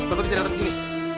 bapak bisa datang di sini